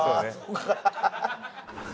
ハハハハ！